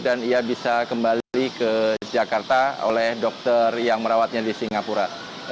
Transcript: dan ia bisa kembali ke jakarta oleh dokter yang merawatnya di singapura